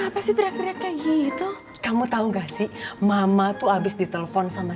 bila mau gue jemput kamu